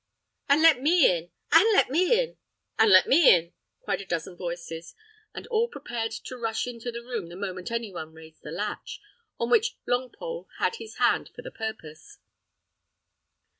"And let me in!" "And let me in!" "And let me in too!" cried a dozen voices; and all prepared to rush into the room the moment any one raised the latch, on which Longpole had his hand for the purpose.